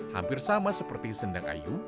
hampir sama seperti sendang ayu